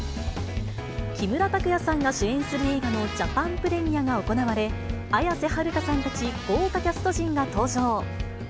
木村拓哉さんが主演する映画のジャパンプレミアが行われ、綾瀬はるかさんたち豪華キャスト陣が登場。